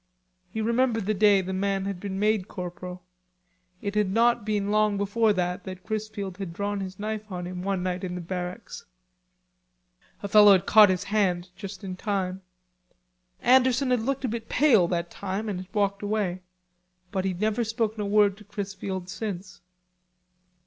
He remembered the day the man had been made corporal. It had not been long before that that Chrisfield had drawn his knife on him, one night in the barracks. A fellow had caught his hand just in time. Anderson had looked a bit pale that time and had walked away. But he'd never spoken a word to Chrisfield since.